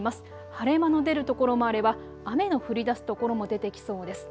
晴れ間の出る所もあれば雨の降りだす所も出てきそうです。